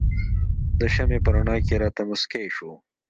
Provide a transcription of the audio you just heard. د شمعې په رڼا کې راته مسکی شو.